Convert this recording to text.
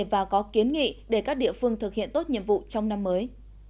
và có kiến nghị để các địa phương thực hiện tốt nhiệm vụ trong năm mới